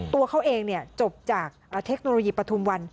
ตัวเขาเองจบจากเทคโนโลยีปฐุมวัน